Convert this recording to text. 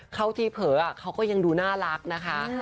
เข้าที่เผลอเขาก็ยังดูน่ารักนะคะ